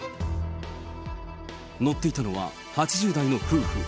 乗っていたのは８０代の夫婦。